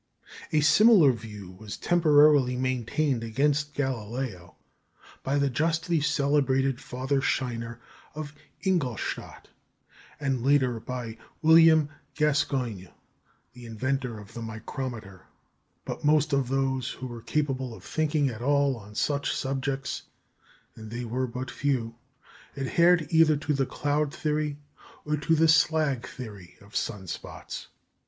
A similar view was temporarily maintained against Galileo by the justly celebrated Father Scheiner of Ingolstadt, and later by William Gascoigne, the inventor of the micrometer; but most of those who were capable of thinking at all on such subjects (and they were but few) adhered either to the cloud theory or to the slag theory of sun spots.